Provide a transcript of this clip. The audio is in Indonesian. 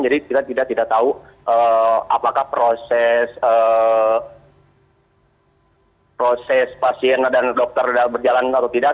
jadi kita tidak tahu apakah proses pasien dan dokter sudah berjalan atau tidak